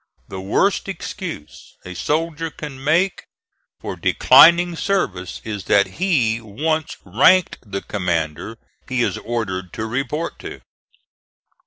The worst excuse a soldier can make for declining service is that he once ranked the commander he is ordered to report to.